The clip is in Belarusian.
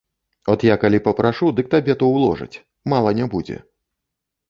От я калі папрашу, дык табе то ўложаць, мала не будзе.